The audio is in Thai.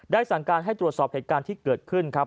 สั่งการให้ตรวจสอบเหตุการณ์ที่เกิดขึ้นครับ